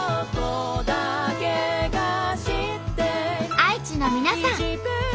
愛知の皆さん